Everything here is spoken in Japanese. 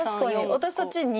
私たち２。